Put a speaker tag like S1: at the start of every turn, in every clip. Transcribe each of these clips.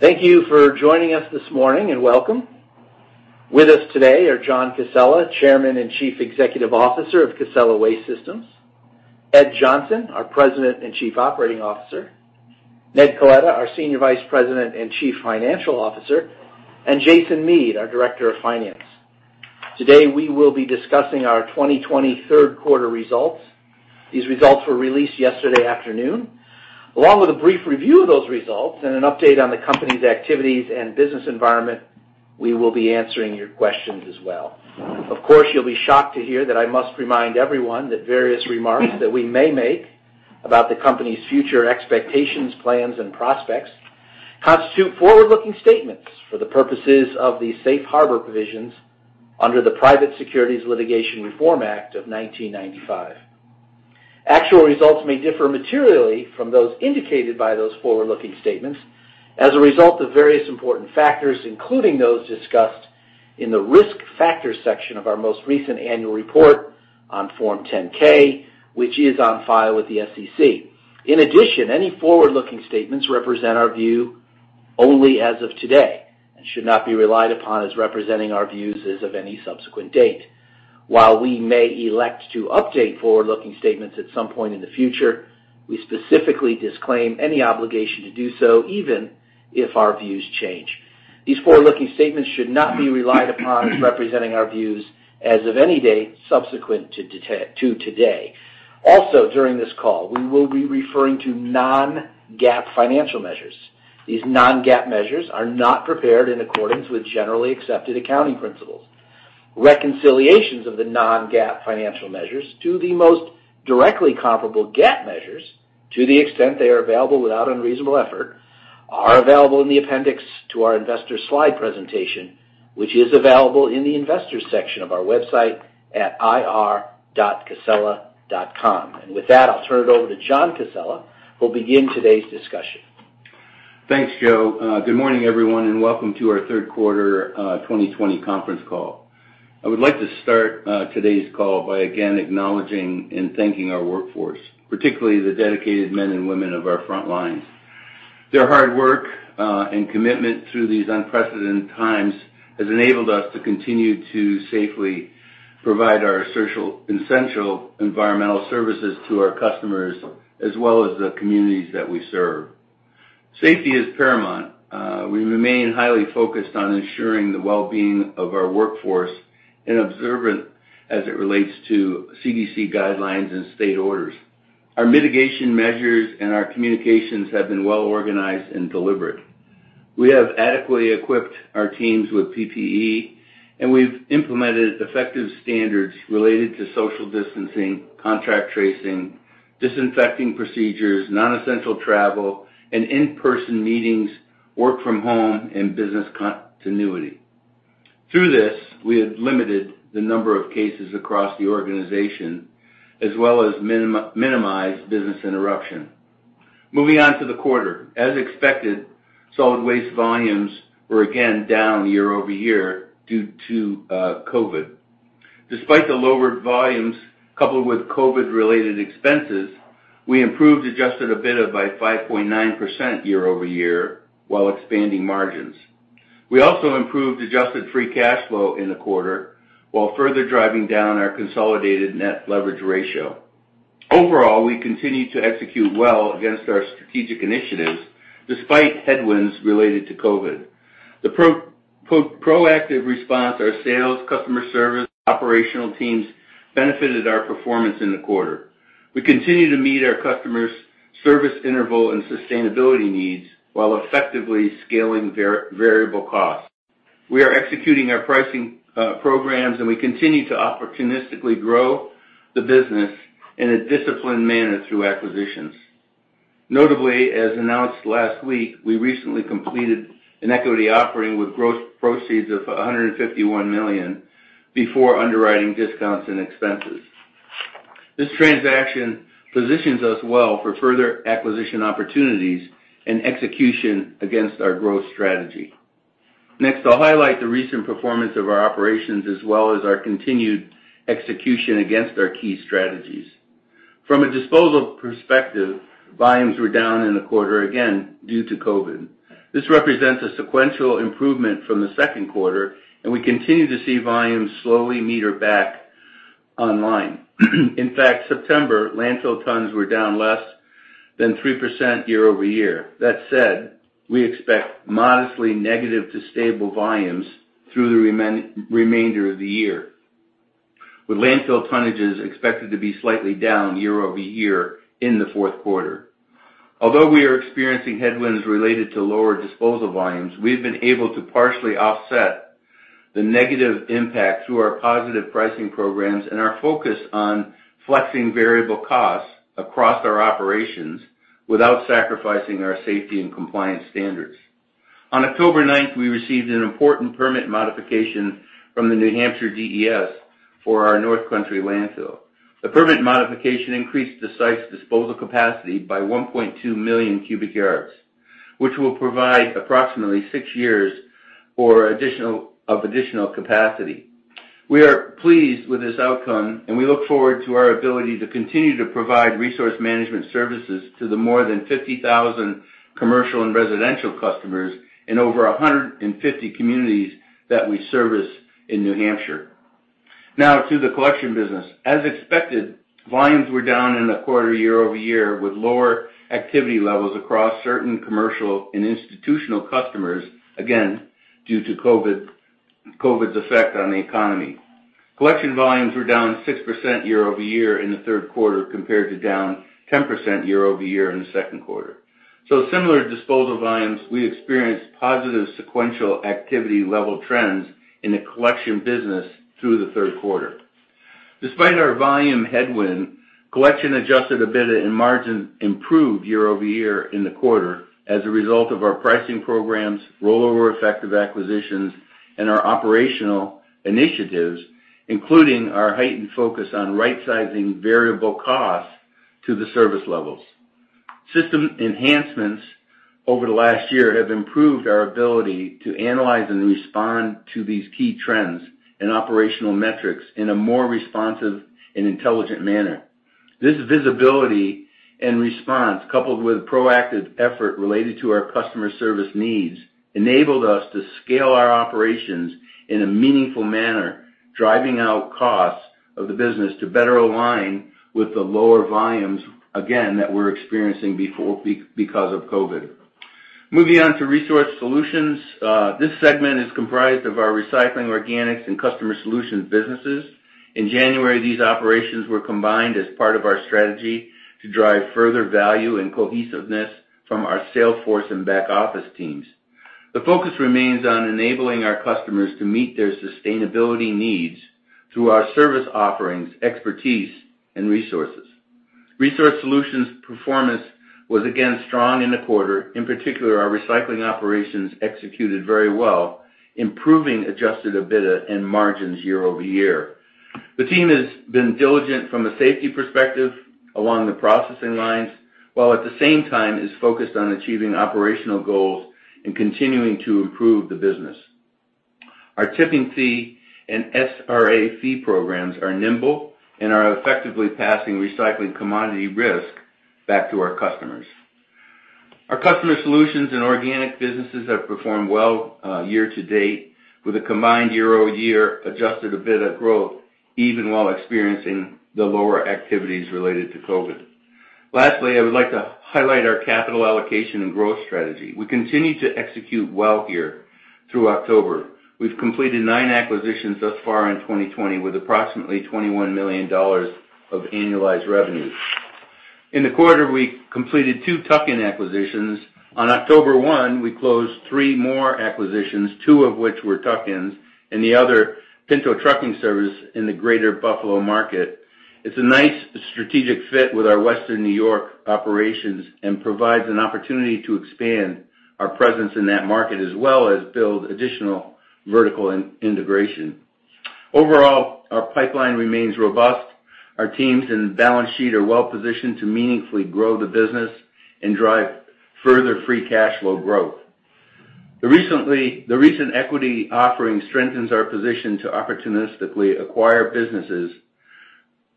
S1: Thank you for joining us this morning, and welcome. With us today are John Casella, Chairman and Chief Executive Officer of Casella Waste Systems, Ed Johnson, our President and Chief Operating Officer, Ned Coletta, our Senior Vice President and Chief Financial Officer, and Jason Mead, our Director of Finance. Today, we will be discussing our 2020 third quarter results. These results were released yesterday afternoon. Along with a brief review of those results and an update on the company's activities and business environment, we will be answering your questions as well. Of course, you'll be shocked to hear that I must remind everyone that various remarks that we may make about the company's future expectations, plans, and prospects constitute forward-looking statements for the purposes of the safe harbor provisions under the Private Securities Litigation Reform Act of 1995. Actual results may differ materially from those indicated by those forward-looking statements as a result of various important factors, including those discussed in the Risk Factors section of our most recent annual report on Form 10-K, which is on file with the SEC. In addition, any forward-looking statements represent our view only as of today and should not be relied upon as representing our views as of any subsequent date. While we may elect to update forward-looking statements at some point in the future, we specifically disclaim any obligation to do so, even if our views change. These forward-looking statements should not be relied upon as representing our views as of any date subsequent to today. Also, during this call, we will be referring to non-GAAP financial measures. These non-GAAP measures are not prepared in accordance with generally accepted accounting principles. Reconciliations of the non-GAAP financial measures to the most directly comparable GAAP measures, to the extent they are available without unreasonable effort, are available in the appendix to our Investor slide presentation, which is available in the Investors section of our website at ir.casella.com. With that, I'll turn it over to John Casella, who will begin today's discussion.
S2: Thanks, Joe. Good morning, everyone, welcome to our Third Quarter 2020 Conference Call. I would like to start today's call by again acknowledging and thanking our workforce, particularly the dedicated men and women of our frontlines. Their hard work and commitment through these unprecedented times has enabled us to continue to safely provide our essential environmental services to our customers, as well as the communities that we serve. Safety is paramount. We remain highly focused on ensuring the well-being of our workforce and observant as it relates to CDC guidelines and state orders. Our mitigation measures and our communications have been well-organized and deliberate. We have adequately equipped our teams with PPE, and we've implemented effective standards related to social distancing, contact tracing, disinfecting procedures, non-essential travel, and in-person meetings, work from home, and business continuity. Through this, we have limited the number of cases across the organization, as well as minimized business interruption. Moving on to the quarter. As expected, solid waste volumes were again down year-over-year due to COVID. Despite the lower volumes coupled with COVID-related expenses, we improved adjusted EBITDA by 5.9% year-over-year while expanding margins. We also improved adjusted free cash flow in the quarter while further driving down our consolidated net leverage ratio. Overall, we continued to execute well against our strategic initiatives despite headwinds related to COVID. The proactive response of our sales, customer service, and operational teams benefited our performance in the quarter. We continue to meet our customers' service interval and sustainability needs while effectively scaling variable costs. We are executing our pricing programs, and we continue to opportunistically grow the business in a disciplined manner through acquisitions. Notably, as announced last week, we recently completed an equity offering with gross proceeds of $151 million before underwriting discounts and expenses. This transaction positions us well for further acquisition opportunities and execution against our growth strategy. Next, I'll highlight the recent performance of our operations as well as our continued execution against our key strategies. From a disposal perspective, volumes were down in the quarter, again due to COVID. This represents a sequential improvement from the second quarter, and we continue to see volumes slowly meter back online. In fact, September landfill tons were down less than 3% year-over-year. That said, we expect modestly negative to stable volumes through the remainder of the year, with landfill tonnages expected to be slightly down year-over-year in the fourth quarter. Although we are experiencing headwinds related to lower disposal volumes, we have been able to partially offset the negative impact through our positive pricing programs and our focus on flexing variable costs across our operations without sacrificing our safety and compliance standards. On October ninth, we received an important permit modification from the New Hampshire DES for our North Country Landfill. The permit modification increased the site's disposal capacity by 1.2 million cubic yards, which will provide approximately six years of additional capacity. We are pleased with this outcome, and we look forward to our ability to continue to provide resource management services to the more than 50,000 commercial and residential customers in over 150 communities that we service in New Hampshire. Now to the collection business. As expected, volumes were down in the quarter year-over-year, with lower activity levels across certain commercial and institutional customers, again, due to COVID's effect on the economy. Collection volumes were down 6% year-over-year in the third quarter, compared to down 10% year-over-year in the second quarter. Similar to disposal volumes, we experienced positive sequential activity level trends in the collection business through the third quarter. Despite our volume headwind, collection adjusted EBITDA and margin improved year-over-year in the quarter as a result of our pricing programs, rollover effect of acquisitions, and our operational initiatives, including our heightened focus on right-sizing variable costs to the service levels. System enhancements over the last year have improved our ability to analyze and respond to these key trends and operational metrics in a more responsive and intelligent manner. This visibility and response, coupled with proactive effort related to our customer service needs, enabled us to scale our operations in a meaningful manner, driving out costs of the business to better align with the lower volumes, again, that we're experiencing because of COVID. Moving on to Resource Solutions. This segment is comprised of our recycling, organics, and customer solutions businesses. In January, these operations were combined as part of our strategy to drive further value and cohesiveness from our sales force and back-office teams. The focus remains on enabling our customers to meet their sustainability needs through our service offerings, expertise, and resources. Resource Solutions performance was again strong in the quarter. In particular, our recycling operations executed very well, improving adjusted EBITDA and margins year-over-year. The team has been diligent from a safety perspective along the processing lines, while at the same time is focused on achieving operational goals and continuing to improve the business. Our tipping fee and SRA fee programs are nimble and are effectively passing recycling commodity risk back to our customers. Our customer solutions and organic businesses have performed well year-to-date with a combined year-over-year adjusted EBITDA growth, even while experiencing the lower activities related to COVID. Lastly, I would like to highlight our capital allocation and growth strategy. We continue to execute well here through October. We've completed nine acquisitions thus far in 2020, with approximately $21 million of annualized revenue. In the quarter, we completed two tuck-in acquisitions. On October 1, we closed three more acquisitions, two of which were tuck-ins, and the other, Pinto Trucking Services in the Greater Buffalo market. It's a nice strategic fit with our Western New York operations and provides an opportunity to expand our presence in that market, as well as build additional vertical integration. Overall, our pipeline remains robust. Our teams and balance sheet are well-positioned to meaningfully grow the business and drive further free cash flow growth. The recent equity offering strengthens our position to opportunistically acquire businesses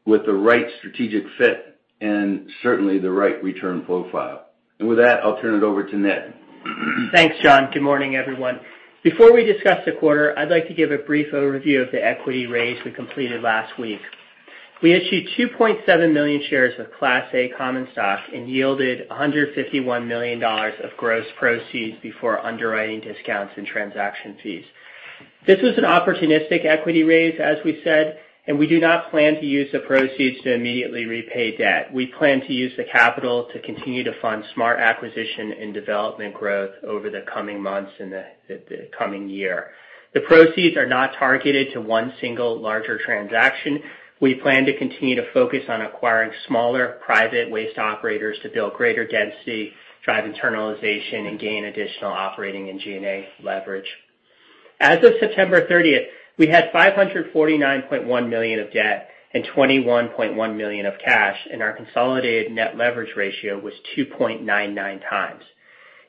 S2: with the right strategic fit and certainly the right return profile. With that, I'll turn it over to Ned.
S3: Thanks, John. Good morning, everyone. Before we discuss the quarter, I'd like to give a brief overview of the equity raise we completed last week. We issued 2.7 million shares of Class A common stock and yielded $151 million of gross proceeds before underwriting discounts and transaction fees. This was an opportunistic equity raise, as we said, and we do not plan to use the proceeds to immediately repay debt. We plan to use the capital to continue to fund smart acquisition and development growth over the coming months and the coming year. The proceeds are not targeted to one single larger transaction. We plan to continue to focus on acquiring smaller private waste operators to build greater density, drive internalization, and gain additional operating and G&A leverage. As of September 30th, we had $549.1 million of debt and $21.1 million of cash, and our consolidated net leverage ratio was 2.99x.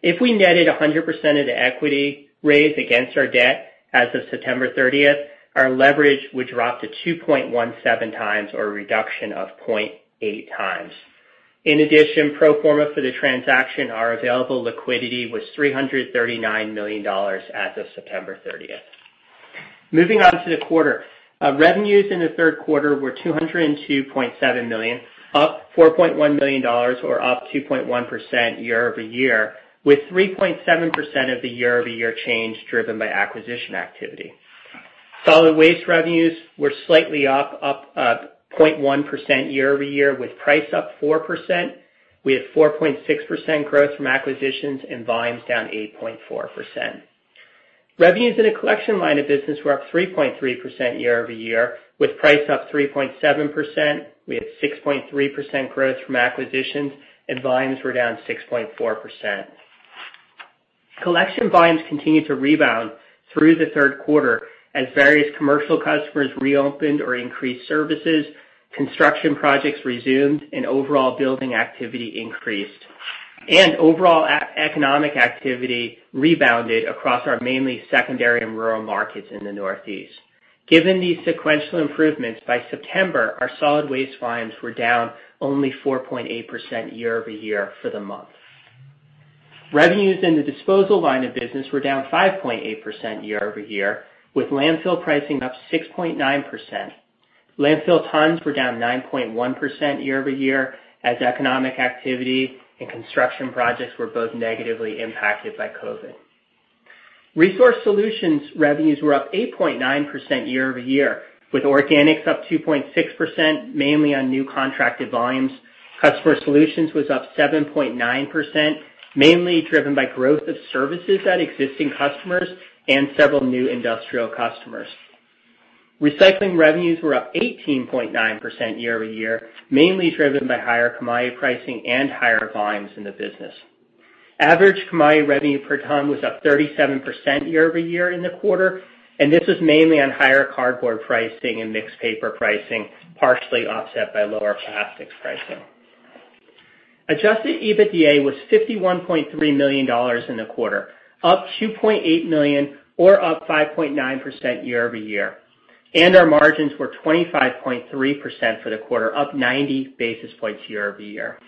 S3: If we netted 100% of the equity raised against our debt, as of September 30th, our leverage would drop to 2.17x or a reduction of 0.8x. In addition, pro forma for the transaction, our available liquidity was $339 million as of September 30th. Moving on to the quarter. Revenues in the third quarter were $202.7 million, up $4.1 million or up 2.1% year-over-year, with 3.7% of the year-over-year change driven by acquisition activity. Solid waste revenues were slightly up 0.1% year-over-year with price up 4%. We had 4.6% growth from acquisitions and volumes down 8.4%. Revenues in the collection line of business were up 3.3% year-over-year with price up 3.7%. We had 6.3% growth from acquisitions and volumes were down 6.4%. Collection volumes continued to rebound through the third quarter as various commercial customers reopened or increased services, construction projects resumed, and overall building activity increased. Overall economic activity rebounded across our mainly secondary and rural markets in the Northeast. Given these sequential improvements, by September, our solid waste volumes were down only 4.8% year-over-year for the month. Revenues in the disposal line of business were down 5.8% year-over-year, with landfill pricing up 6.9%. Landfill tons were down 9.1% year-over-year as economic activity and construction projects were both negatively impacted by COVID. Resource Solutions revenues were up 8.9% year-over-year, with organics up 2.6%, mainly on new contracted volumes. Customer solutions was up 7.9%, mainly driven by growth of services at existing customers and several new industrial customers. Recycling revenues were up 18.9% year-over-year, mainly driven by higher commodity pricing and higher volumes in the business. Average commodity revenue per ton was up 37% year-over-year in the quarter. This was mainly on higher cardboard pricing and mixed paper pricing, partially offset by lower plastics pricing. Adjusted EBITDA was $51.3 million in the quarter, up $2.8 million, or up 5.9% year-over-year. Our margins were 25.3% for the quarter, up 90 basis points year-over-year.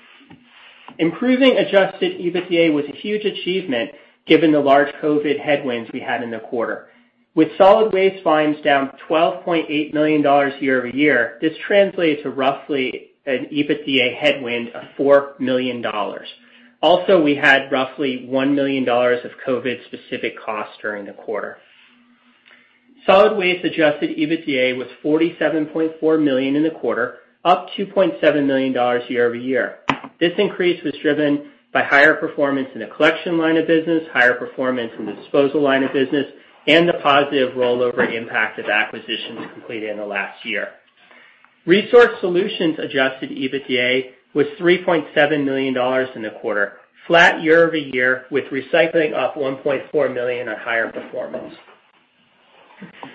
S3: Improving adjusted EBITDA was a huge achievement given the large COVID headwinds we had in the quarter. With solid waste volumes down $12.8 million year-over-year, this translates to roughly an EBITDA headwind of $4 million. Also, we had roughly $1 million of COVID-specific costs during the quarter. Solid waste adjusted EBITDA was $47.4 million in the quarter, up $2.7 million year-over-year. This increase was driven by higher performance in the collection line of business, higher performance in the disposal line of business, and the positive rollover impact of acquisitions completed in the last year. Resource Solutions adjusted EBITDA was $3.7 million in the quarter, flat year-over-year, with recycling up $1.4 million on higher performance.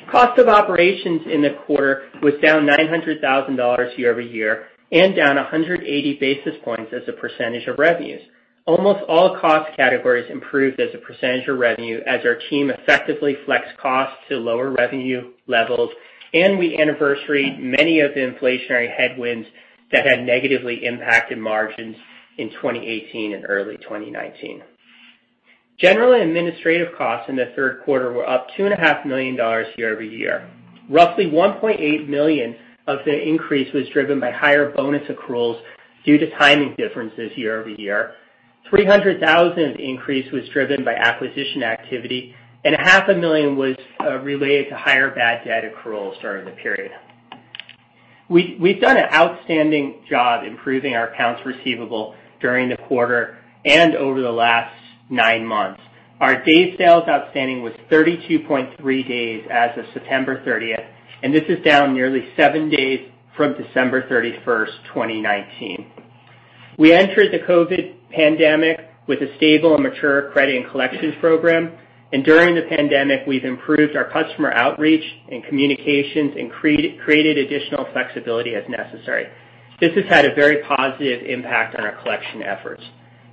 S3: Cost of operations in the quarter was down $900,000 year-over-year and down 180 basis points as a percentage of revenues. Almost all cost categories improved as a percentage of revenue as our team effectively flexed costs to lower revenue levels, and we anniversaried many of the inflationary headwinds that had negatively impacted margins in 2018 and early 2019. General administrative costs in the third quarter were up $2.5 million year-over-year. Roughly $1.8 million of the increase was driven by higher bonus accruals due to timing differences year-over-year, $300,000 increase was driven by acquisition activity, and $0.5 million was related to higher bad debt accruals during the period. We've done an outstanding job improving our accounts receivable during the quarter and over the last nine months. Our days sales outstanding was 32.3 days as of September 30th, and this is down nearly seven days from December 31st, 2019. We entered the COVID pandemic with a stable and mature credit and collections program, and during the pandemic, we've improved our customer outreach and communications and created additional flexibility as necessary. This has had a very positive impact on our collection efforts.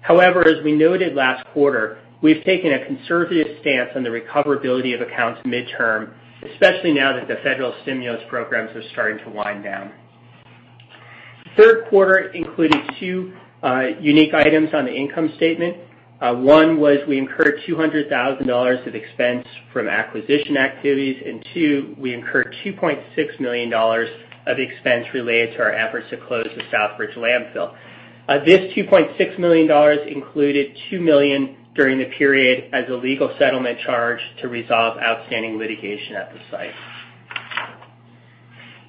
S3: However, as we noted last quarter, we've taken a conservative stance on the recoverability of accounts midterm, especially now that the federal stimulus programs are starting to wind down. Third quarter included two unique items on the income statement. One was we incurred $200,000 of expense from acquisition activities. Two, we incurred $2.6 million of expense related to our efforts to close the Southbridge Landfill. This $2.6 million included $2 million during the period as a legal settlement charge to resolve outstanding litigation at the site.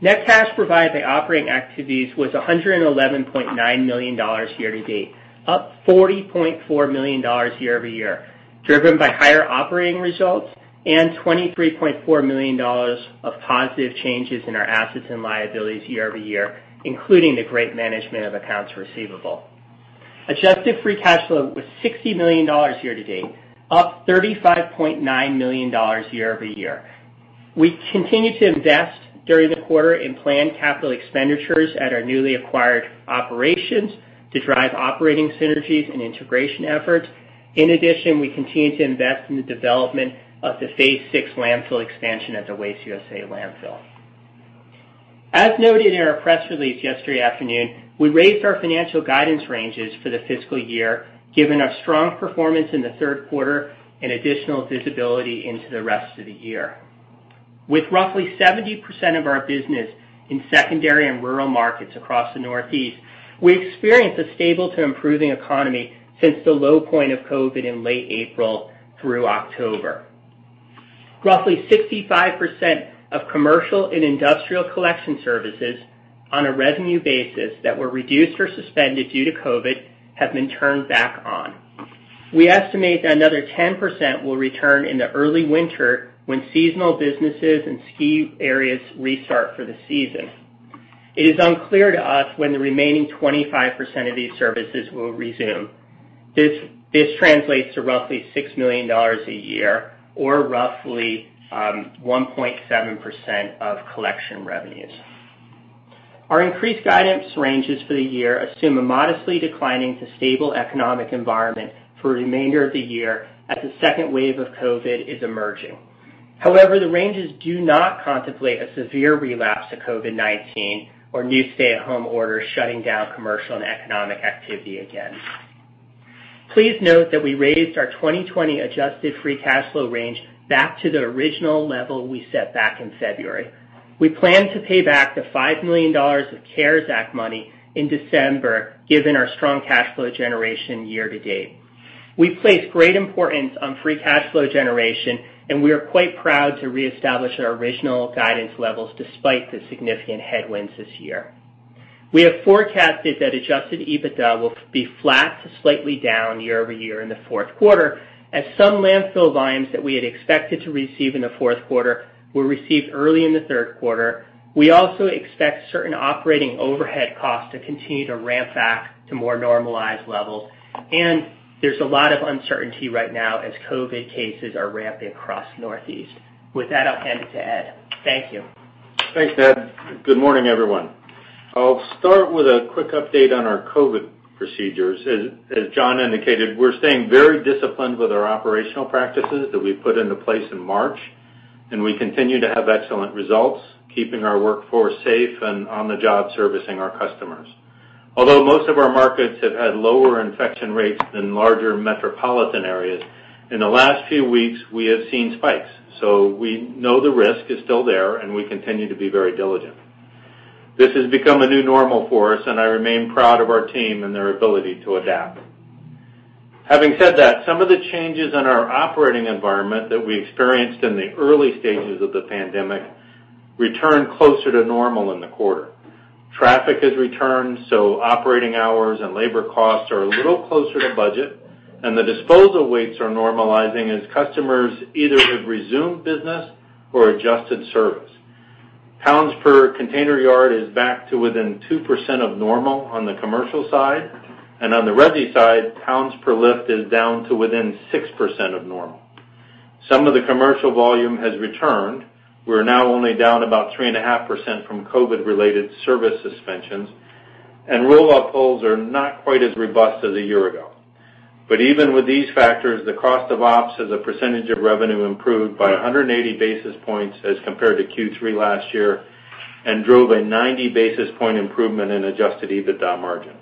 S3: Net cash provided by operating activities was $111.9 million year-to-date, up $40.4 million year-over-year, driven by higher operating results and $23.4 million of positive changes in our assets and liabilities year-over-year, including the great management of accounts receivable. Adjusted free cash flow was $60 million year-to-date, up $35.9 million year-over-year. We continued to invest during the quarter in planned capital expenditures at our newly acquired operations to drive operating synergies and integration efforts. In addition, we continued to invest in the development of the phase VI landfill expansion at the Waste USA Landfill. As noted in our press release yesterday afternoon, we raised our financial guidance ranges for the fiscal year, given our strong performance in the third quarter and additional visibility into the rest of the year. With roughly 70% of our business in secondary and rural markets across the Northeast, we experienced a stable to improving economy since the low point of COVID in late April through October. Roughly 65% of commercial and industrial collection services on a revenue basis that were reduced or suspended due to COVID have been turned back on. We estimate that another 10% will return in the early winter when seasonal businesses and ski areas restart for the season. It is unclear to us when the remaining 25% of these services will resume. This translates to roughly $6 million a year or roughly 1.7% of collection revenues. Our increased guidance ranges for the year assume a modestly declining to stable economic environment for the remainder of the year as the second wave of COVID is emerging. The ranges do not contemplate a severe relapse to COVID-19 or new stay-at-home orders shutting down commercial and economic activity again. Please note that we raised our 2020 adjusted free cash flow range back to the original level we set back in February. We plan to pay back the $5 million of CARES Act money in December, given our strong cash flow generation year-to-date. We place great importance on free cash flow generation, and we are quite proud to reestablish our original guidance levels despite the significant headwinds this year. We have forecasted that adjusted EBITDA will be flat to slightly down year-over-year in the fourth quarter, as some landfill volumes that we had expected to receive in the fourth quarter were received early in the third quarter. We also expect certain operating overhead costs to continue to ramp back to more normalized levels. There's a lot of uncertainty right now as COVID cases are ramping across Northeast. With that, I'll hand it to Ed. Thank you.
S4: Thanks, Ned. Good morning, everyone. I'll start with a quick update on our COVID procedures. As John indicated, we're staying very disciplined with our operational practices that we put into place in March, and we continue to have excellent results, keeping our workforce safe and on the job servicing our customers. Although most of our markets have had lower infection rates than larger metropolitan areas, in the last few weeks, we have seen spikes. We know the risk is still there, and we continue to be very diligent. This has become a new normal for us, and I remain proud of our team and their ability to adapt. Having said that, some of the changes in our operating environment that we experienced in the early stages of the pandemic returned closer to normal in the quarter. Traffic has returned, so operating hours and labor costs are a little closer to budget, and the disposal weights are normalizing as customers either have resumed business or adjusted service. Pounds per container yard is back to within 2% of normal on the commercial side. On the resi side, pounds per lift is down to within 6% of normal. Some of the commercial volume has returned. We're now only down about 3.5% from COVID-related service suspensions, and roll-off pulls are not quite as robust as a year ago. Even with these factors, the cost of ops as a percentage of revenue improved by 180 basis points as compared to Q3 last year and drove a 90 basis point improvement in adjusted EBITDA margin.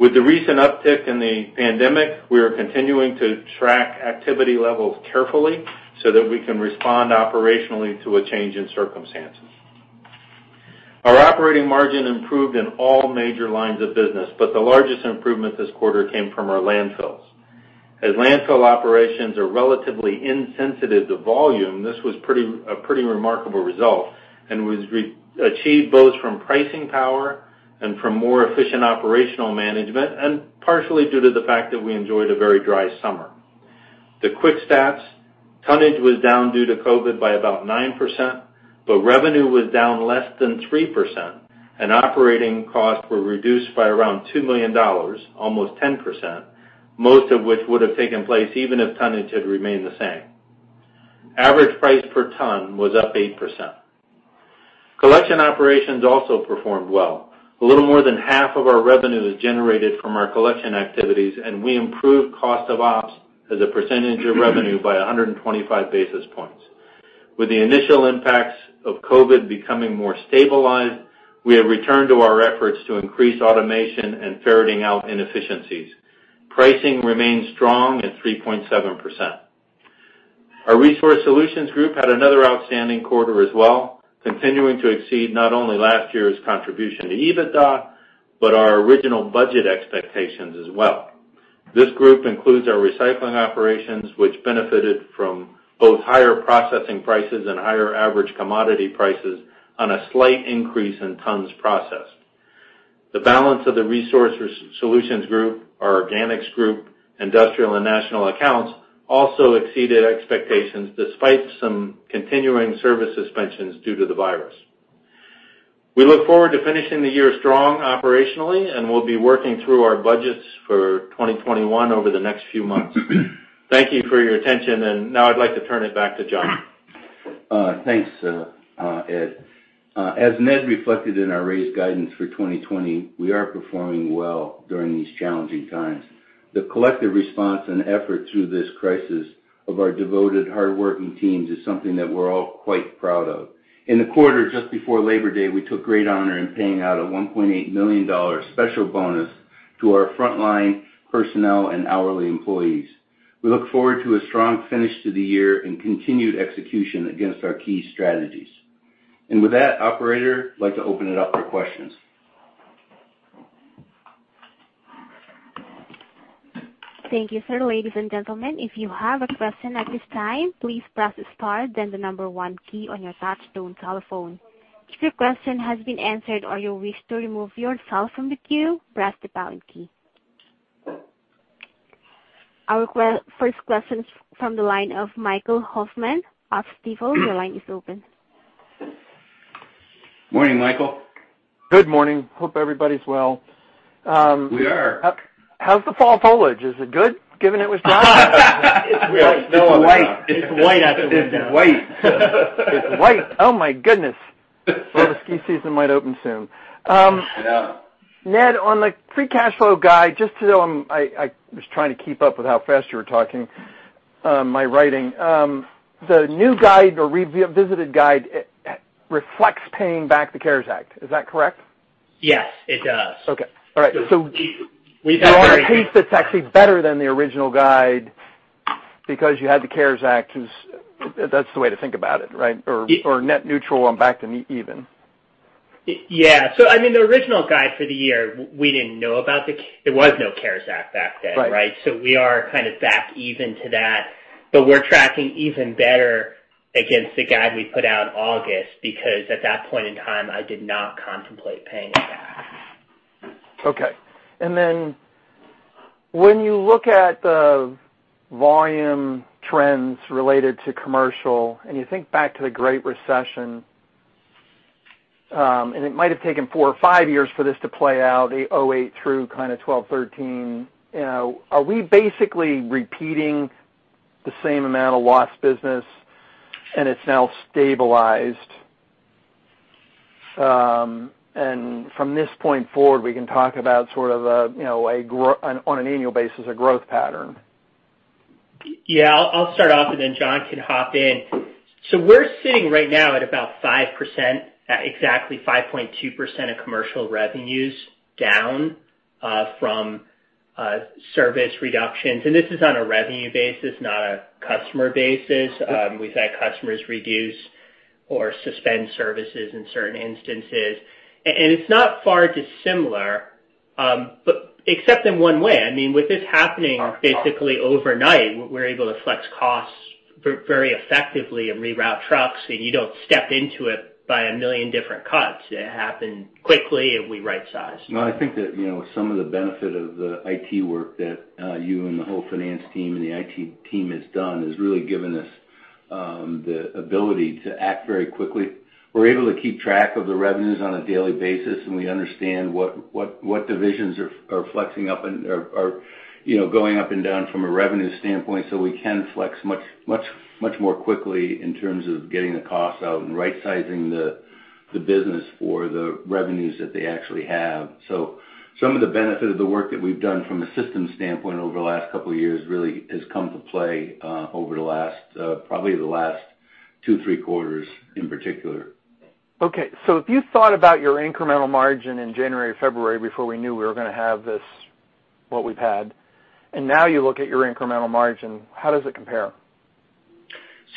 S4: With the recent uptick in the pandemic, we are continuing to track activity levels carefully so that we can respond operationally to a change in circumstances. Our operating margin improved in all major lines of business, but the largest improvement this quarter came from our landfills. As landfill operations are relatively insensitive to volume, this was a pretty remarkable result and was achieved both from pricing power and from more efficient operational management, and partially due to the fact that we enjoyed a very dry summer. The quick stats: tonnage was down due to COVID by about 9%, but revenue was down less than 3%, and operating costs were reduced by around $2 million, almost 10%, most of which would have taken place even if tonnage had remained the same. Average price per ton was up 8%. Collection operations also performed well. A little more than half of our revenue is generated from our collection activities, and we improved cost of ops as a percentage of revenue by 125 basis points. With the initial impacts of COVID becoming more stabilized, we have returned to our efforts to increase automation and ferreting out inefficiencies. Pricing remains strong at 3.7%. Our Resource Solutions Group had another outstanding quarter as well, continuing to exceed not only last year's contribution to EBITDA, but our original budget expectations as well. This group includes our recycling operations, which benefited from both higher processing prices and higher average commodity prices on a slight increase in tons processed. The balance of the Resource Solutions Group, our organics group, industrial and national accounts, also exceeded expectations despite some continuing service suspensions due to the virus. We look forward to finishing the year strong operationally, and we'll be working through our budgets for 2021 over the next few months. Thank you for your attention. Now I'd like to turn it back to John.
S2: Thanks, Ed. As Ned reflected in our raised guidance for 2020, we are performing well during these challenging times. The collective response and effort through this crisis of our devoted, hardworking teams is something that we're all quite proud of. In the quarter, just before Labor Day, we took great honor in paying out a $1.8 million special bonus to our frontline personnel and hourly employees. We look forward to a strong finish to the year and continued execution against our key strategies. With that, operator, I'd like to open it up for questions.
S5: Thank you, sir. Ladies and gentlemen, if you have a question at this time, please press star then the number one key on your touchtone telephone. If your question has been answered or you wish to remove yourself from the queue, press the pound key. Our first question is from the line of Michael Hoffman of Stifel. Your line is open.
S4: Morning, Michael.
S6: Good morning. Hope everybody's well.
S2: We are.
S6: How's the fall foliage? Is it good, given it was dry?
S2: It's white.
S3: It's white out the window.
S2: It's white.
S6: It's white. Oh my goodness. Well, the ski season might open soon.
S2: Yeah.
S6: Ned, on the free cash flow guide, just so I was trying to keep up with how fast you were talking, my writing. The new guide, the revisited guide, reflects paying back the CARES Act. Is that correct?
S3: Yes, it does.
S6: Okay. All right.
S3: We've already-
S6: You're on a pace that's actually better than the original guide because you had the CARES Act. That's the way to think about it, right? Net neutral and back to even.
S3: Yeah. The original guide for the year, there was no CARES Act back then, right?
S6: Right.
S3: We are kind of back even to that, but we're tracking even better against the guide we put out in August, because at that point in time, I did not contemplate paying it back.
S6: Okay. When you look at the volume trends related to commercial, and you think back to the Great Recession, and it might have taken four or five years for this to play out, 2008 through kind of 2012, 2013. Are we basically repeating the same amount of lost business and it's now stabilized, and from this point forward, we can talk about sort of, on an annual basis, a growth pattern?
S3: Yeah, I'll start off and then John can hop in. We're sitting right now at about 5%, exactly 5.2% of commercial revenues down from service reductions. This is on a revenue basis, not a customer basis. We've had customers reduce or suspend services in certain instances. It's not far dissimilar, except in one way. With this happening basically overnight, we're able to flex costs very effectively and reroute trucks, and you don't step into it by a million different cuts. It happened quickly, and we right-sized.
S2: I think that some of the benefit of the IT work that you and the whole finance team and the IT team has done has really given us the ability to act very quickly. We're able to keep track of the revenues on a daily basis, and we understand what divisions are going up and down from a revenue standpoint, so we can flex much more quickly in terms of getting the costs out and right-sizing the business for the revenues that they actually have. Some of the benefit of the work that we've done from a systems standpoint over the last couple of years really has come to play over probably the last two, three quarters in particular.
S6: Okay. If you thought about your incremental margin in January, February, before we knew we were going to have what we've had, and now you look at your incremental margin, how does it compare?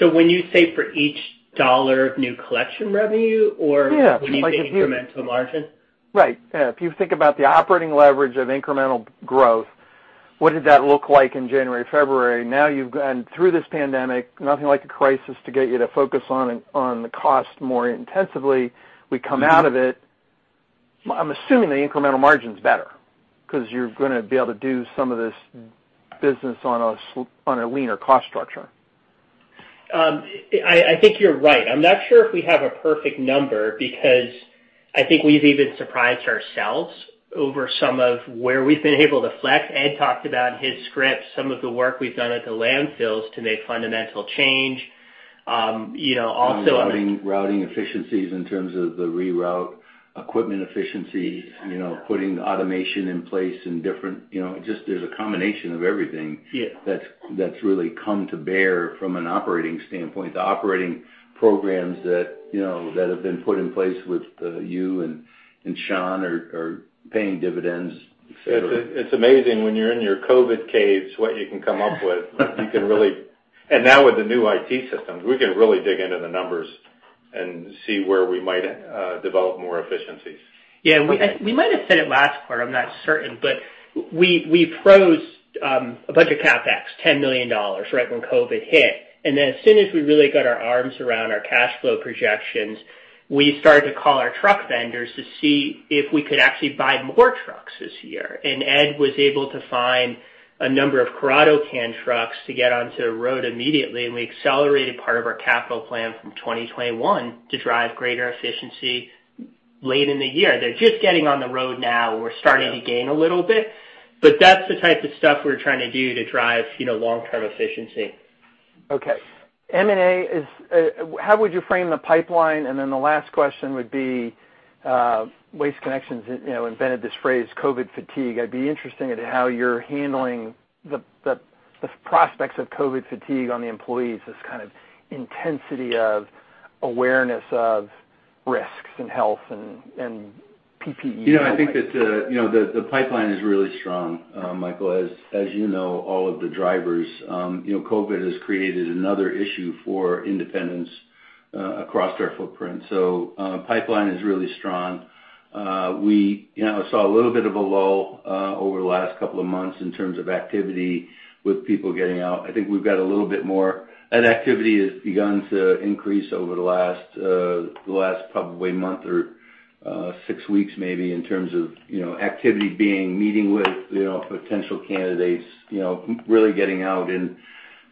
S3: When you say for each dollar of new collection revenue or?
S6: Yeah
S3: When you say incremental margin?
S6: Right. If you think about the operating leverage of incremental growth, what did that look like in January, February? Now you've gone through this pandemic. Nothing like a crisis to get you to focus on the cost more intensively. We come out of it. I'm assuming the incremental margin's better, because you're going to be able to do some of this business on a leaner cost structure.
S3: I think you're right. I'm not sure if we have a perfect number, because I think we've even surprised ourselves over some of where we've been able to flex. Ed talked about in his script some of the work we've done at the landfills to make fundamental change.
S2: Routing efficiencies in terms of the reroute equipment efficiency, putting automation in place in different, just there's a combination of everything that's really come to bear from an operating standpoint. The operating programs that have been put in place with you and Sean are paying dividends. It's amazing when you're in your COVID caves, what you can come up with. Now with the new IT systems, we can really dig into the numbers and see where we might develop more efficiencies.
S3: Yeah. We might have said it last quarter, I'm not certain. We froze a bunch of CapEx, $10 million, right when COVID hit. As soon as we really got our arms around our cash flow projections, we started to call our truck vendors to see if we could actually buy more trucks this year. Ed was able to find a number of Curotto-Can can trucks to get onto the road immediately, and we accelerated part of our capital plan from 2021 to drive greater efficiency late in the year. They're just getting on the road now. We're starting to gain a little bit. That's the type of stuff we're trying to do to drive long-term efficiency.
S6: Okay. M&A, how would you frame the pipeline? The last question would be, Waste Connections invented this phrase, COVID fatigue. I'd be interested in how you're handling the prospects of COVID fatigue on the employees, this kind of intensity of awareness of risks and health and PPE.
S2: I think that the pipeline is really strong, Michael. As you know, all of the drivers, COVID has created another issue for independents across our footprint. Pipeline is really strong. We saw a little bit of a lull over the last couple of months in terms of activity with people getting out. I think we've got a little bit more. That activity has begun to increase over the last probably month or six weeks maybe in terms of activity being meeting with potential candidates, really getting out and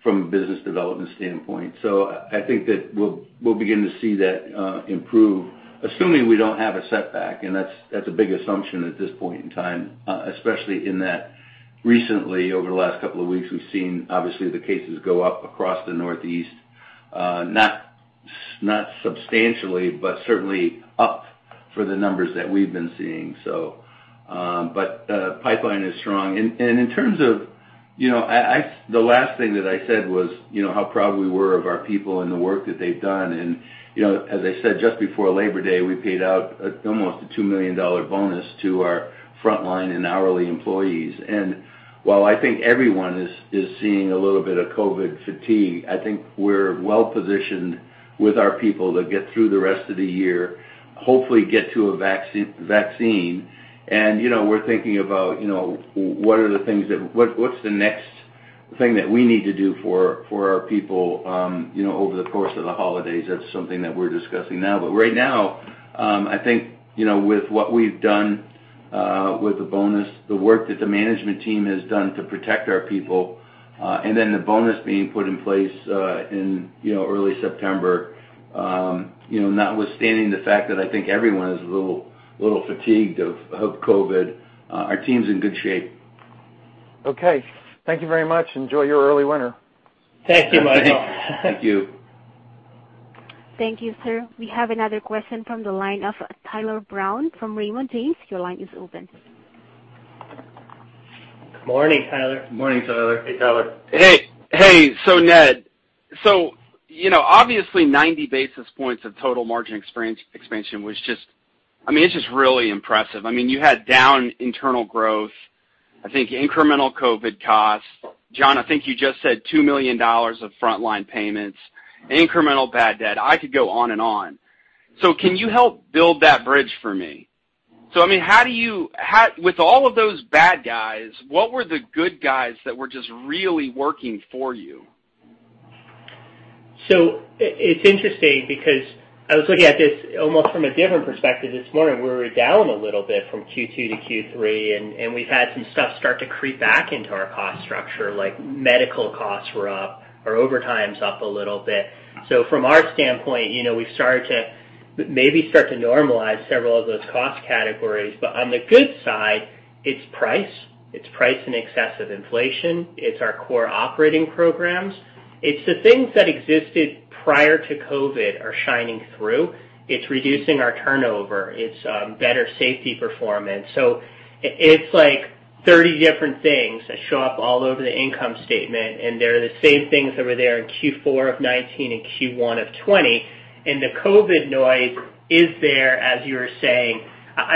S2: from a business development standpoint. I think that we'll begin to see that improve, assuming we don't have a setback, and that's a big assumption at this point in time, especially in that recently, over the last couple of weeks, we've seen, obviously, the cases go up across the Northeast. Not substantially, but certainly up for the numbers that we've been seeing. The pipeline is strong. In terms of The last thing that I said was, how proud we were of our people and the work that they've done. As I said, just before Labor Day, we paid out almost a $2 million bonus to our frontline and hourly employees. While I think everyone is seeing a little bit of COVID fatigue, I think we're well-positioned with our people to get through the rest of the year, hopefully get to a vaccine. We're thinking about what's the next thing that we need to do for our people over the course of the holidays. That's something that we're discussing now. Right now, I think, with what we've done with the bonus, the work that the management team has done to protect our people, and then the bonus being put in place in early September, notwithstanding the fact that I think everyone is a little fatigued of COVID, our team's in good shape.
S6: Okay. Thank you very much. Enjoy your early winter.
S3: Thank you, Michael.
S2: Thank you.
S5: Thank you, sir. We have another question from the line of Tyler Brown from Raymond James. Your line is open.
S3: Morning, Tyler.
S2: Morning, Tyler.
S4: Hey, Tyler.
S7: Hey. Ned, so obviously 90 basis points of total margin expansion was just really impressive. You had down internal growth, I think incremental COVID costs. John, I think you just said $2 million of frontline payments, incremental bad debt. I could go on and on. Can you help build that bridge for me? With all of those bad guys, what were the good guys that were just really working for you?
S3: It's interesting because I was looking at this almost from a different perspective this morning. We were down a little bit from Q2 to Q3, and we've had some stuff start to creep back into our cost structure, like medical costs were up, our overtime's up a little bit. From our standpoint, we've maybe start to normalize several of those cost categories. But on the good side, it's price, it's price in excess of inflation. It's our core operating programs. It's the things that existed prior to COVID are shining through. It's reducing our turnover. It's better safety performance. It's like 30 different things that show up all over the income statement, and they're the same things that were there in Q4 of 2019 and Q1 of 2020. And the COVID noise is there, as you were saying.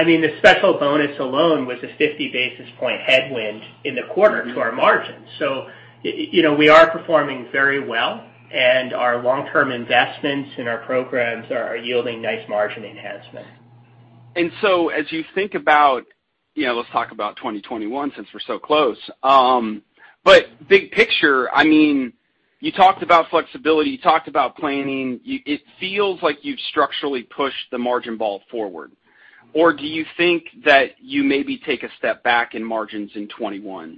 S3: The special bonus alone was a 50 basis point headwind in the quarter to our margin. We are performing very well, and our long-term investments in our programs are yielding nice margin enhancement.
S7: As you think about Let's talk about 2021 since we're so close. Big picture, you talked about flexibility. You talked about planning. It feels like you've structurally pushed the margin ball forward. Do you think that you maybe take a step back in margins in 2021?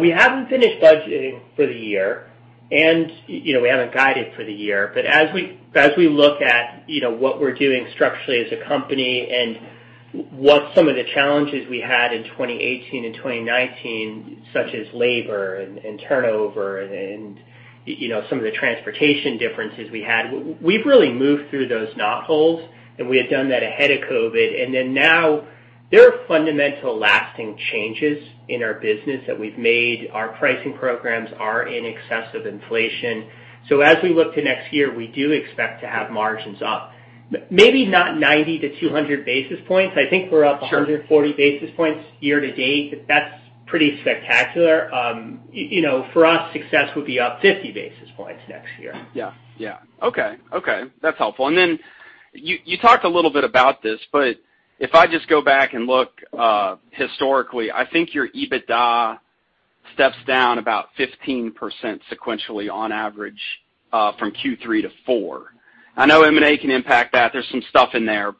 S3: We haven't finished budgeting for the year, and we haven't guided for the year. As we look at what we're doing structurally as a company and what some of the challenges we had in 2018 and 2019, such as labor and turnover and some of the transportation differences we had, we've really moved through those knotholes, and we had done that ahead of COVID. Now there are fundamental lasting changes in our business that we've made. Our pricing programs are in excess of inflation. As we look to next year, we do expect to have margins up. Maybe not 90-200 basis points 140 basis points year-to-date. That's pretty spectacular. For us success would be up 50 basis points next year.
S7: Yeah. Okay. That's helpful. Then you talked a little bit about this, but if I just go back and look historically, I think your EBITDA steps down about 15% sequentially on average from Q3 to Q4. I know M&A can impact that. There's some stuff in there.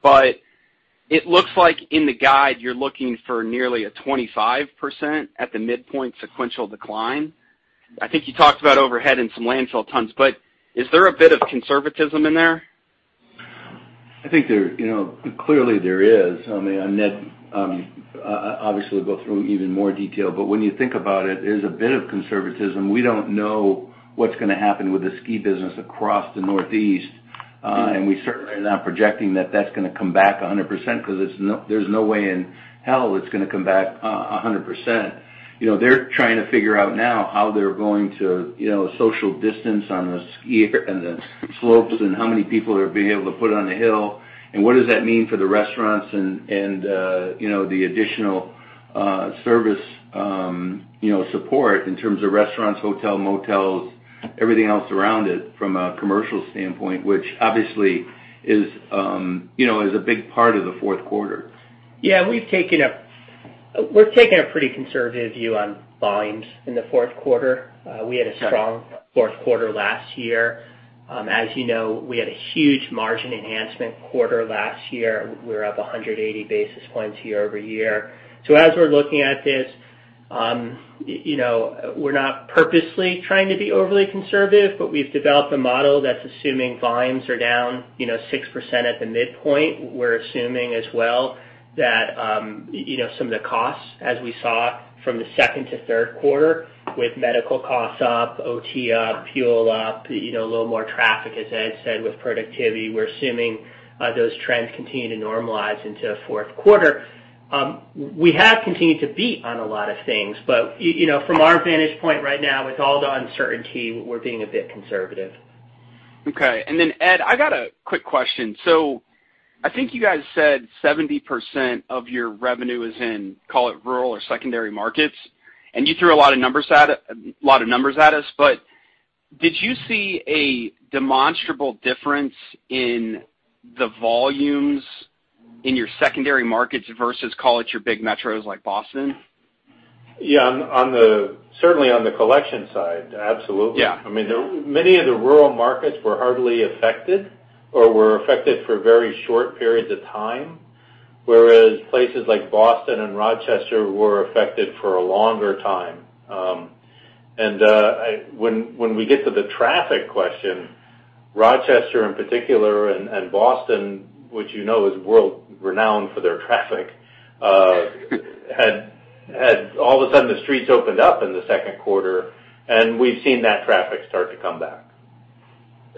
S7: It looks like in the guide, you're looking for nearly a 25% at the midpoint sequential decline. I think you talked about overhead and some landfill tons, but is there a bit of conservatism in there?
S2: I think, clearly there is. Ned obviously will go through even more detail. When you think about it, there's a bit of conservatism. We don't know what's going to happen with the ski business across the Northeast. We certainly are not projecting that that's going to come back 100% because there's no way in hell it's going to come back 100%. They're trying to figure out now how they're going to social distance on the skier and the slopes, and how many people they'll be able to put on the hill, and what does that mean for the restaurants and the additional service support in terms of restaurants, hotel, motels, everything else around it from a commercial standpoint, which obviously is a big part of the fourth quarter.
S3: Yeah, we've taken a pretty conservative view on volumes in the fourth quarter. We had a strong fourth quarter last year. As you know, we had a huge margin enhancement quarter last year. We were up 180 basis points year-over-year. As we're looking at this. We're not purposely trying to be overly conservative, but we've developed a model that's assuming volumes are down 6% at the midpoint. We're assuming as well that some of the costs, as we saw from the second to third quarter, with medical costs up, OT up, fuel up, a little more traffic, as Ed said, with productivity. We're assuming those trends continue to normalize into fourth quarter. We have continued to beat on a lot of things, from our vantage point right now, with all the uncertainty, we're being a bit conservative.
S7: Okay. Then Ed, I got a quick question. I think you guys said 70% of your revenue is in, call it rural or secondary markets, and you threw a lot of numbers at us. Did you see a demonstrable difference in the volumes in your secondary markets versus call it your big metros like Boston?
S4: Yeah. Certainly on the collection side, absolutely. Many of the rural markets were hardly affected or were affected for very short periods of time, whereas places like Boston and Rochester were affected for a longer time. When we get to the traffic question, Rochester in particular and Boston, which you know is world-renowned for their traffic, all of a sudden the streets opened up in the second quarter, and we've seen that traffic start to come back.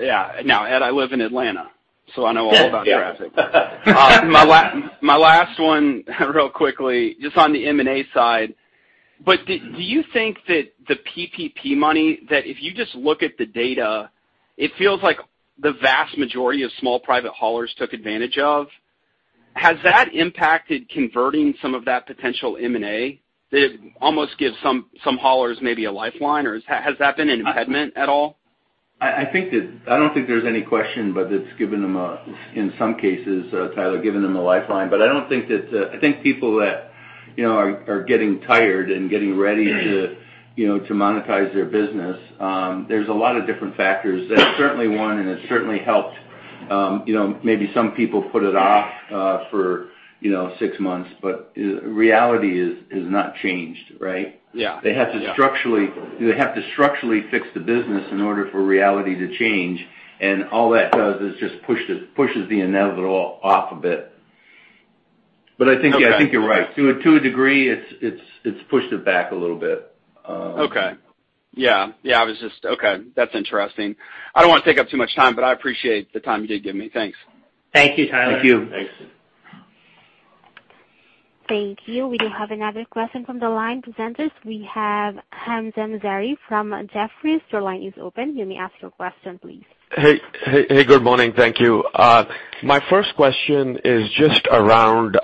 S7: Yeah. Now, Ed, I live in Atlanta, so I know all about traffic.
S4: Yeah.
S7: My last one real quickly, just on the M&A side. Do you think that the PPP money, that if you just look at the data, it feels like the vast majority of small private haulers took advantage of. Has that impacted converting some of that potential M&A? That it almost gives some haulers maybe a lifeline, or has that been an impediment at all?
S2: I don't think there's any question but it's given them, in some cases, Tyler, given them a lifeline. I think people that are getting tired and getting ready to monetize their business, there's a lot of different factors. That's certainly one, and it certainly helped. Maybe some people put it off for six months, but reality is not changed, right?
S7: Yeah.
S2: They have to structurally fix the business in order for reality to change, and all that does is just pushes the inevitable off a bit. I think you're right. To a degree, it's pushed it back a little bit.
S7: Okay. Yeah. That's interesting. I don't want to take up too much time, but I appreciate the time you did give me. Thanks.
S3: Thank you, Tyler.
S2: Thank you.
S5: Thank you. We do have another question from the line. Presenters, we have Hamzah Mazari from Jefferies. Your line is open. You may ask your question, please.
S8: Hey. Good morning. Thank you. My first question is just around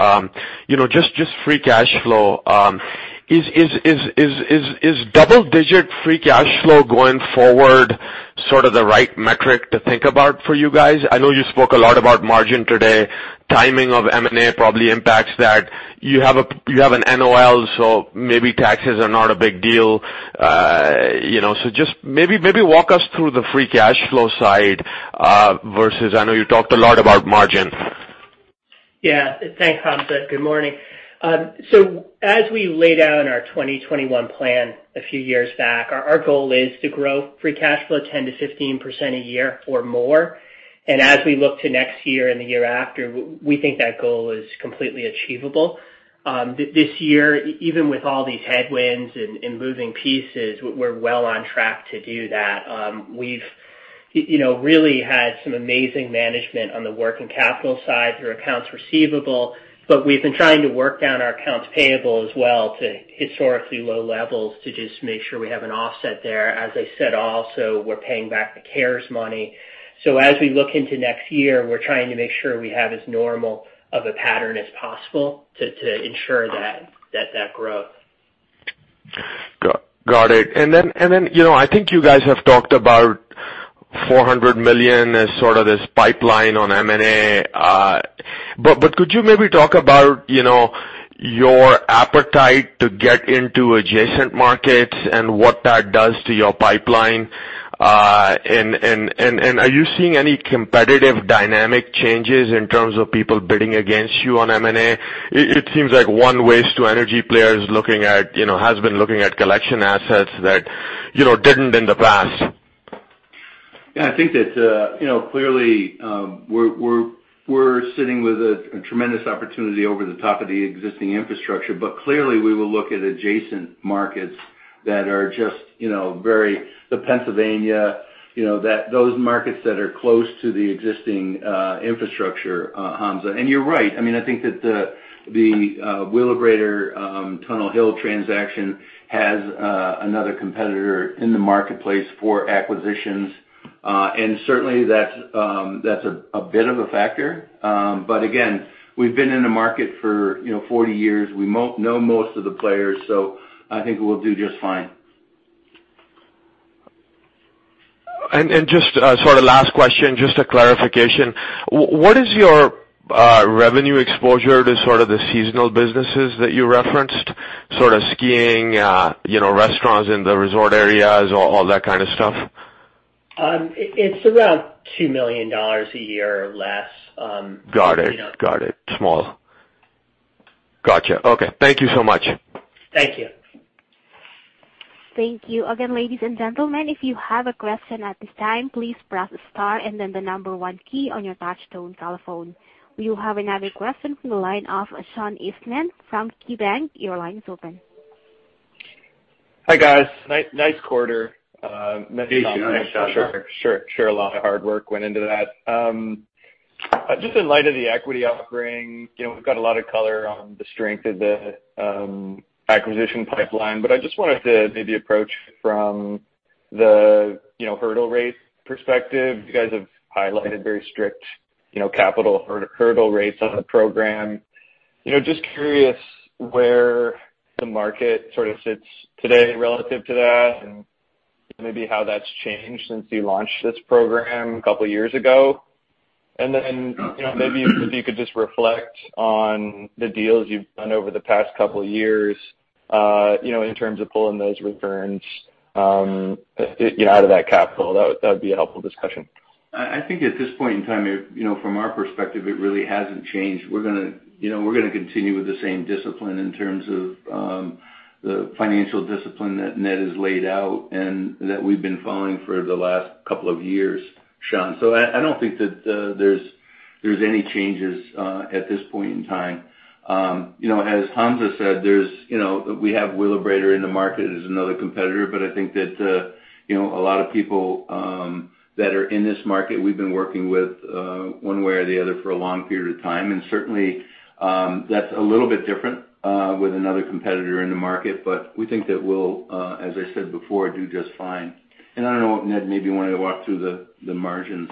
S8: free cash flow. Is double-digit free cash flow going forward sort of the right metric to think about for you guys? I know you spoke a lot about margin today. Timing of M&A probably impacts that. You have an NOL, maybe taxes are not a big deal. Just maybe walk us through the free cash flow side versus, I know you talked a lot about margin.
S3: Yeah. Thanks, Hamzah. Good morning. As we laid out in our 2021 plan a few years back, our goal is to grow free cash flow 10%-15% a year or more. As we look to next year and the year after, we think that goal is completely achievable. This year, even with all these headwinds and moving pieces, we're well on track to do that. We've really had some amazing management on the working capital side through accounts receivable, but we've been trying to work down our accounts payable as well to historically low levels to just make sure we have an offset there. As I said, also, we're paying back the CARES money. As we look into next year, we're trying to make sure we have as normal of a pattern as possible to ensure that growth.
S8: Got it. I think you guys have talked about $400 million as sort of this pipeline on M&A. Could you maybe talk about your appetite to get into adjacent markets and what that does to your pipeline? Are you seeing any competitive dynamic changes in terms of people bidding against you on M&A? It seems like one waste-to-energy player has been looking at collection assets that didn't in the past.
S2: Yeah, I think that clearly we're sitting with a tremendous opportunity over the top of the existing infrastructure. Clearly, we will look at adjacent markets that are just The Pennsylvania, those markets that are close to the existing infrastructure, Hamzah. You're right. I think that the Wheelabrator Tunnel Hill transaction has another competitor in the marketplace for acquisitions. Certainly that's a bit of a factor. Again, we've been in the market for 40 years. We know most of the players, I think we'll do just fine.
S8: Just last question, just a clarification. What is your revenue exposure to the seasonal businesses that you referenced, skiing, restaurants in the resort areas, all that kind of stuff?
S3: It's around $2 million a year or less.
S8: Got it. Small. Got you. Okay. Thank you so much.
S3: Thank you.
S5: Thank you. Again, ladies and gentlemen, if you have a question at this time, please press star and then the one key on your touchtone telephone. We will have another question from the line of Sean Eastman from KeyBanc. Your line is open.
S9: Hi, guys. Nice quarter.
S2: Thank you, Sean.
S9: Sure. I'm sure a lot of hard work went into that. Just in light of the equity offering, we've got a lot of color on the strength of the acquisition pipeline, but I just wanted to maybe approach from the hurdle rate perspective. You guys have highlighted very strict capital hurdle rates on the program. Just curious where the market sort of sits today relative to that and maybe how that's changed since you launched this program a couple of years ago. Then, maybe if you could just reflect on the deals you've done over the past couple of years, in terms of pulling those returns out of that capital. That would be a helpful discussion.
S2: I think at this point in time, from our perspective, it really hasn't changed. We're going to continue with the same discipline in terms of the financial discipline that Ned has laid out and that we've been following for the last couple of years, Sean. I don't think that there's any changes at this point in time. As Hamzah said, we have Wheelabrator in the market as another competitor, but I think that a lot of people that are in this market, we've been working with one way or the other for a long period of time. Certainly, that's a little bit different with another competitor in the market. We think that we'll, as I said before, do just fine. I don't know if Ned maybe wanted to walk through the margins.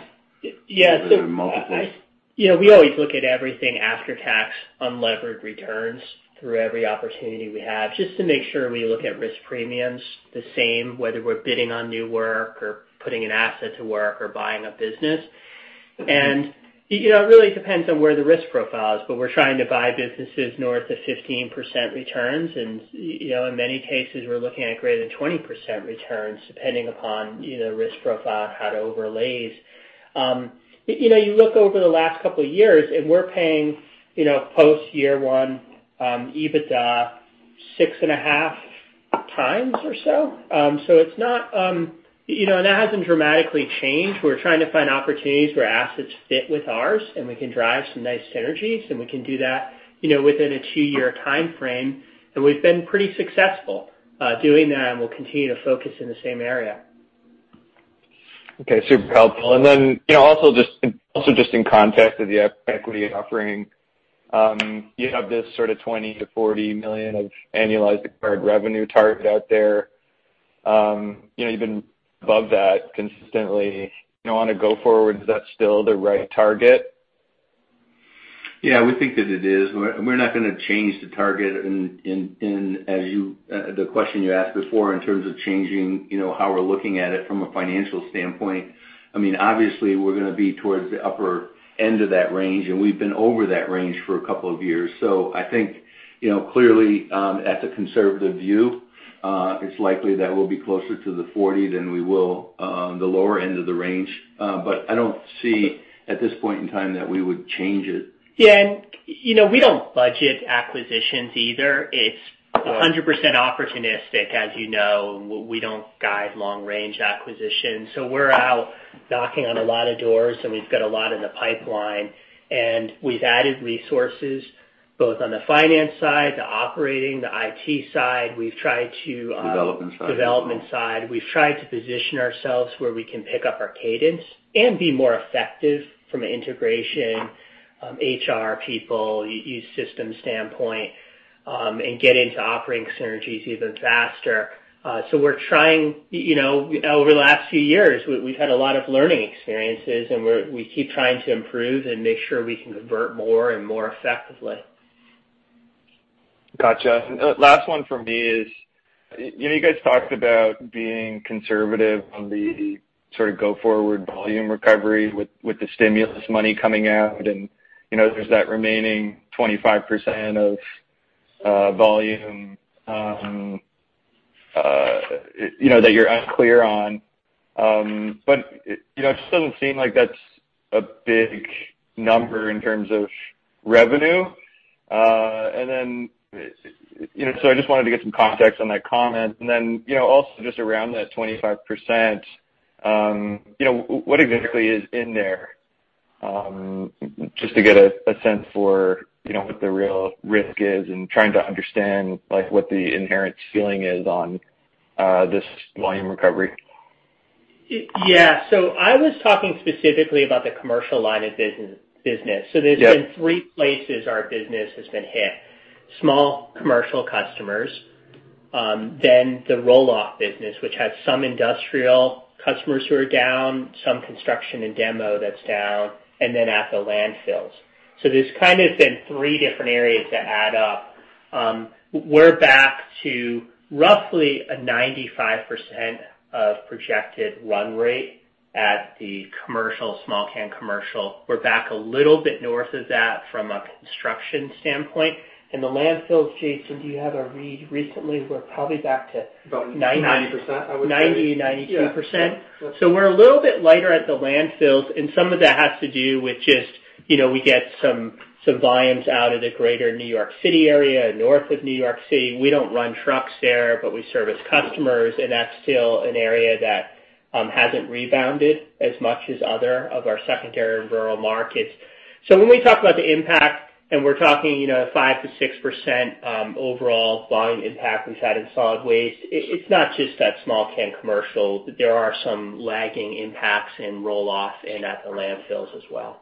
S3: Yeah.
S2: There are multiples.
S3: We always look at everything after-tax unlevered returns through every opportunity we have, just to make sure we look at risk premiums the same, whether we're bidding on new work or putting an asset to work or buying a business. It really depends on where the risk profile is, but we're trying to buy businesses north of 15% returns. In many cases, we're looking at greater than 20% returns, depending upon risk profile and how to overlay it. You look over the last couple of years and we're paying post year one EBITDA, 6.5x or so. That hasn't dramatically changed. We're trying to find opportunities where assets fit with ours, and we can drive some nice synergies, and we can do that within a two-year timeframe. We've been pretty successful doing that, and we'll continue to focus in the same area.
S9: Okay. Super helpful. Also just in context of the equity offering, you have this sort of $20 million-$40 million of annualized acquired revenue target out there. You've been above that consistently. On a go-forward, is that still the right target?
S2: Yeah, we think that it is. We're not going to change the target in the question you asked before in terms of changing how we're looking at it from a financial standpoint. Obviously, we're going to be towards the upper end of that range, and we've been over that range for a couple of years. I think, clearly, at the conservative view, it's likely that we'll be closer to the 40 than we will the lower end of the range. I don't see at this point in time that we would change it.
S3: Yeah. We don't budget acquisitions either. It's 100% opportunistic, as you know. We don't guide long-range acquisitions. We're out knocking on a lot of doors, and we've got a lot in the pipeline, and we've added resources both on the finance side, the operating, the IT side. We've tried to-
S2: Development side as well.
S3: Development side. We've tried to position ourselves where we can pick up our cadence and be more effective from an integration, HR people, e-system standpoint, and get into operating synergies even faster. We're trying. Over the last few years, we've had a lot of learning experiences, and we keep trying to improve and make sure we can convert more and more effectively.
S9: Got you. Last one from me is, you guys talked about being conservative on the sort of go forward volume recovery with the stimulus money coming out, and there's that remaining 25% of volume that you're unclear on. It just doesn't seem like that's a big number in terms of revenue. I just wanted to get some context on that comment. Also just around that 25%, what exactly is in there, just to get a sense for what the real risk is and trying to understand what the inherent feeling is on this volume recovery.
S3: Yeah. I was talking specifically about the commercial line of business. There's been three places our business has been hit. Small commercial customers, then the roll-off business, which has some industrial customers who are down, some construction and demo that's down, and then at the landfills. There's kind of been three different areas that add up. We're back to roughly a 95% of projected run rate at the small can commercial. We're back a little bit north of that from a construction standpoint. In the landfills, Jason, do you have a read recently? We're probably back to
S10: About 90%, I would say.
S3: 90%-92%.
S10: Yeah.
S3: We're a little bit lighter at the landfills, and some of that has to do with just we get some volumes out of the greater New York City area, north of New York City. We don't run trucks there, but we service customers, and that's still an area that hasn't rebounded as much as other of our secondary and rural markets. When we talk about the impact, and we're talking 5%-6% overall volume impact we've had in solid waste, it's not just that small can commercial. There are some lagging impacts in roll-off and at the landfills as well.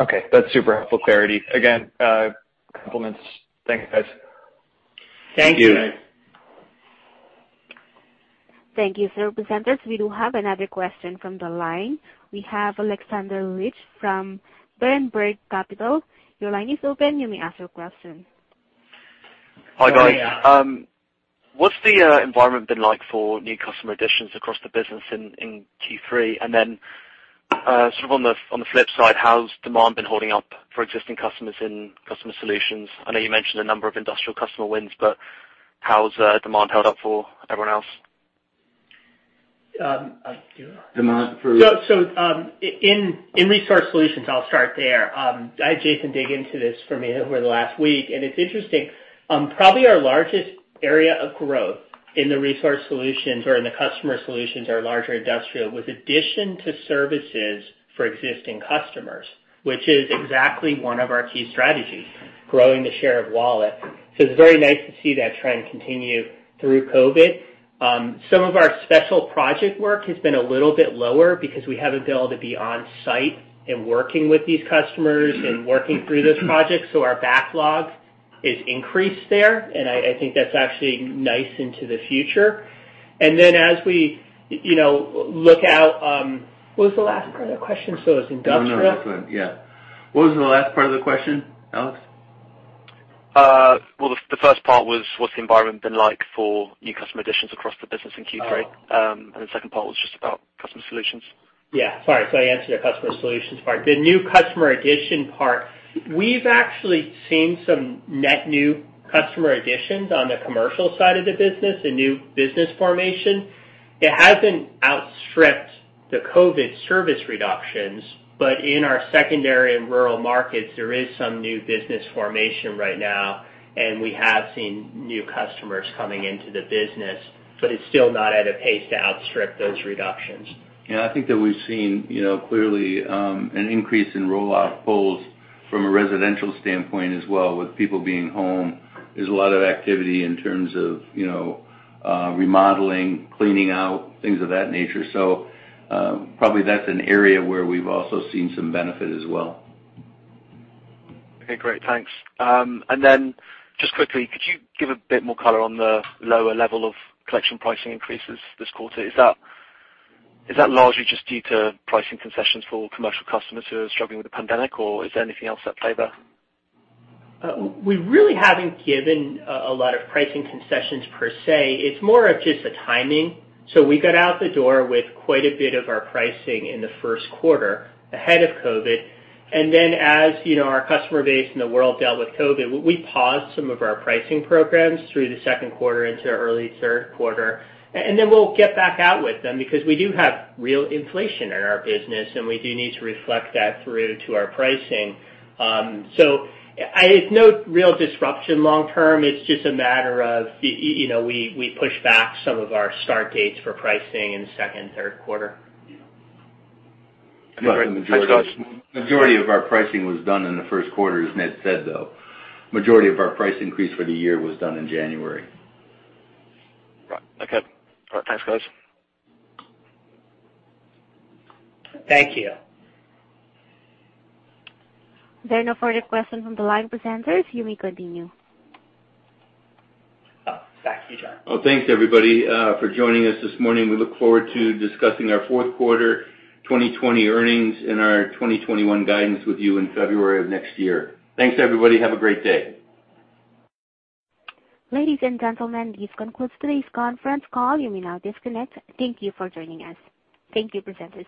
S9: Okay. That's super helpful clarity. Again, compliments. Thanks, guys.
S3: Thank you.
S2: Thank you.
S5: Thank you for your presenters. We do have another question from the line. We have Alexander Leach from Berenberg Capital. Your line is open. You may ask your question.
S11: Hi, guys. What's the environment been like for new customer additions across the business in Q3? Then, sort of on the flip side, how's demand been holding up for existing customers in customer solutions? I know you mentioned a number of industrial customer wins, how's demand held up for everyone else?
S2: Demand for-
S3: In Resource Solutions, I'll start there. I had Jason dig into this for me over the last week, and it's interesting. Probably our largest area of growth in the Resource Solutions or in the customer solutions are larger industrial, with addition to services for existing customers, which is exactly one of our key strategies, growing the share of wallet. It's very nice to see that trend continue through COVID. Some of our special project work has been a little bit lower because we haven't been able to be on site and working with these customers and working through those projects. Our backlog is increased there, and I think that's actually nice into the future. What was the last part of the question? It was industrial-
S2: No, no. That's all right. Yeah. What was the last part of the question, Alex?
S11: Well, the first part was, what's the environment been like for new customer additions across the business in Q3? The second part was just about customer solutions.
S3: Yeah. Sorry. I answered the customer solutions part. The new customer addition part, we've actually seen some net new customer additions on the commercial side of the business, the new business formation. It hasn't outstripped the COVID service reductions, but in our secondary and rural markets, there is some new business formation right now, and we have seen new customers coming into the business, but it's still not at a pace to outstrip those reductions.
S2: Yeah, I think that we've seen clearly an increase in roll-off pulls from a residential standpoint as well, with people being home. There's a lot of activity in terms of remodeling, cleaning out, things of that nature. Probably that's an area where we've also seen some benefit as well.
S11: Okay, great. Thanks. Then just quickly, could you give a bit more color on the lower level of collection pricing increases this quarter? Is that largely just due to pricing concessions for commercial customers who are struggling with the pandemic, or is there anything else at play there?
S3: We really haven't given a lot of pricing concessions per se. It's more of just the timing. We got out the door with quite a bit of our pricing in the first quarter ahead of COVID. As our customer base and the world dealt with COVID, we paused some of our pricing programs through the second quarter into early third quarter. We'll get back out with them because we do have real inflation in our business, and we do need to reflect that through to our pricing. It's no real disruption long term. It's just a matter of, we pushed back some of our start dates for pricing in the second, third quarter.
S11: Yeah. Great. Thanks, guys.
S2: The majority of our pricing was done in the first quarter, as Ned said, though. Majority of our price increase for the year was done in January.
S11: Right. Okay. All right. Thanks, guys.
S3: Thank you.
S5: There are no further questions from the line, presenters. You may continue.
S1: Back to you, John.
S2: Thanks everybody for joining us this morning. We look forward to discussing our fourth quarter 2020 earnings and our 2021 guidance with you in February of next year. Thanks, everybody. Have a great day.
S5: Ladies and gentlemen, this concludes today's conference call. You may now disconnect. Thank you for joining us. Thank you, presenters.